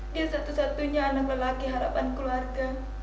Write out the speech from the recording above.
dia satu satunya anak lelaki harapan keluarga